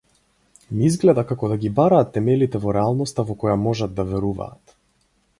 Ми изгледа како да ги бараат темелите во реалноста во која можат да веруваат.